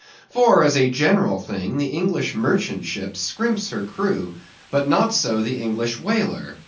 For, as a general thing, the English merchant ship scrimps her crew; but not so the English whaler.